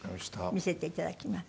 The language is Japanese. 見せていただきます。